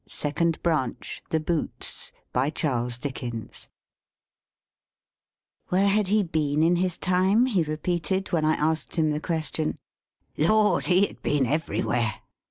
SECOND BRANCH THE BOOTS Where had he been in his time? he repeated, when I asked him the question. Lord, he had been everywhere!